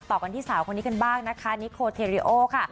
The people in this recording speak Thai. กันที่สาวคนนี้กันบ้างนะคะนิโคเทรีโอค่ะ